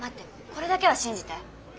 これだけは信じて。